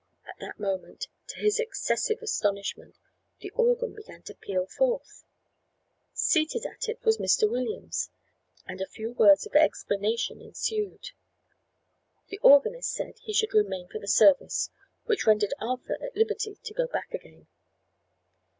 At that moment, to his excessive astonishment, the organ began to peal forth. Seated at it was Mr. Williams; and a few words of explanation ensued. The organist said he should remain for the service, which rendered Arthur at liberty to go back again.